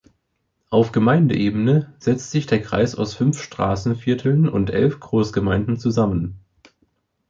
Auf Gemeindeebene setzt sich der Kreis aus fünf Straßenvierteln und elf Großgemeinden zusammen.